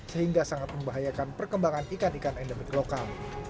sehingga sangat membahayakan perkembangan ikan ikan endemik lokal